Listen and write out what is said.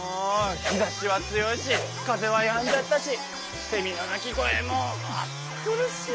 日ざしは強いし風はやんじゃったしせみの鳴き声も暑苦しい！